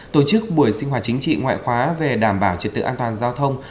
tổ chức buổi sinh hoạt chính trị ngoại khóa về đảm bảo trật tự an toàn giao thông